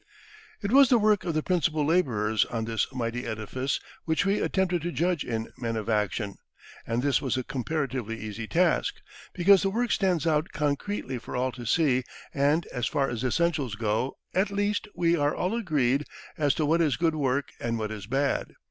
It was the work of the principal laborers on this mighty edifice which we attempted to judge in "Men of Action," and this was a comparatively easy task, because the work stands out concretely for all to see, and, as far as essentials go, at least, we are all agreed as to what is good work and what is bad.